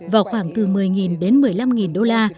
vào khoảng từ một mươi đến một mươi năm đô la